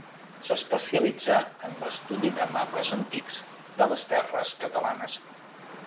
S'especialitzà en l'estudi de mapes antics de les terres catalanes.